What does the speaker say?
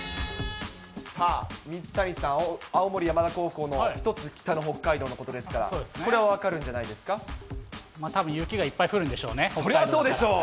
さあ、水谷さん、青森山田高校の１つ北の北海道のことですから、これは分かるんじたぶん雪がいっぱい降るんでそりゃそうでしょう。